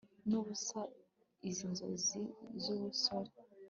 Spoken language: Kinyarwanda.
Nubusa izi nzozi z ubusore